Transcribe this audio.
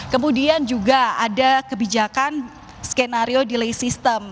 kemudian juga ada kebijakan skenario delay system